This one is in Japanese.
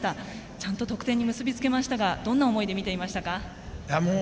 ちゃんと得点に結び付けましたがどんな思いで見ていましたか？